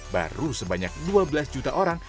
baru sebanyak dua belas juta orang